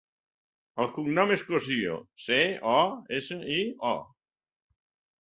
El cognom és Cosio: ce, o, essa, i, o.